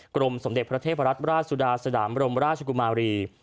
กรมสมเด็จพระเทพรัตนราชสุดาสนามบรมราชกุมารี